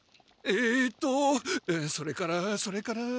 えとそれからそれから。